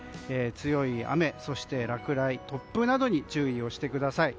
強い雨、そして落雷、突風などに注意をしてください。